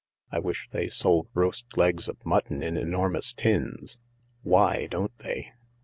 I wish they sold roast legs of mutton in enormous tins. Why don't they